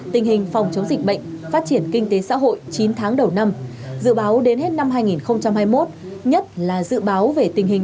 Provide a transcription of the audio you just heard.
tình hình phòng chống dịch bệnh phát triển kinh tế xã hội chín tháng đầu năm dự báo đến hết năm hai nghìn hai mươi một nhất là dự báo về tình hình